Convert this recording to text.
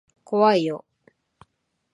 怖いよ。